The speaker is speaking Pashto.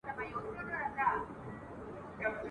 په تعویذ کي یو عجب خط وو لیکلی !.